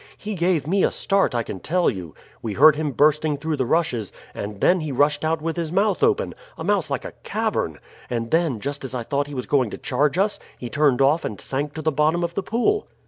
"He gave me a start, I can tell you. We heard him bursting through the rushes, and then he rushed out with his mouth open a mouth like a cavern; and then, just as I thought he was going to charge us, he turned off and sank to the bottom of the pool."